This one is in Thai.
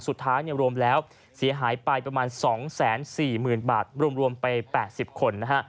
สุดท้ายรวมแล้วเสี่ยหายไปประมาณ๒๔๐๐๐๐บาทรวมไป๘๐คน